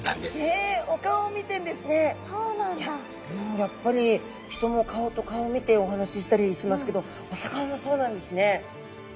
やっぱり人も顔と顔を見てお話ししたりしますけどお魚もそうなんですね。